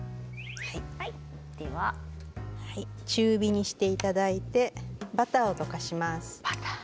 中火にしていただいてバターを溶かします。